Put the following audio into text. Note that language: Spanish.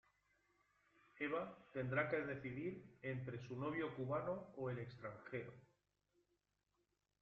Eva tendrá que decidir entre su novio cubano o el extranjero.